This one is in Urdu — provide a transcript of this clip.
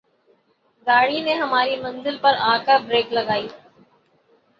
گاڑی نے ہماری منزل پر آ کر بریک لگائی